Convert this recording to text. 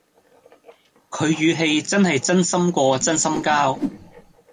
佢語氣真係真心過真心膠